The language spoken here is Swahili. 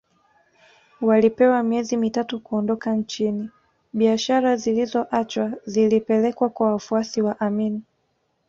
Walipewa miezi mitatu kuondoka nchini biashara zilizoachwa zilipelekwa kwa wafuasi wa Amin